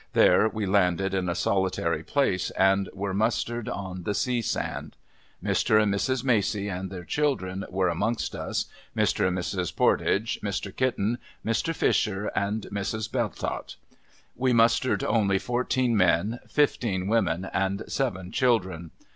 There, we landed in a solitary place, and were mustered on the sea sand. Mr. and Mrs. Macey and their children were amongst us, Mr. and Mrs. Pordage, Mr. Kitten, Mr. Fisher, and Mrs. Bell tott. We mustered only fourteen men, fifteen women, and seven children.